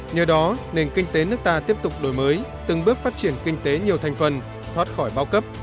nhờ đó nền kinh tế nước ta tiếp tục đổi mới từng bước phát triển kinh tế nhiều thành phần thoát khỏi bao cấp